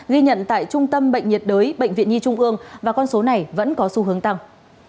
ghi nhận tại trung tâm bệnh nhiệt đới bệnh viện nhi trung ương và con số này vẫn có xu hướng tăng